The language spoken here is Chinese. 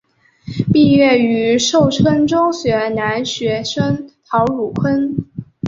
毕业于寿春中学男学生陶汝坤。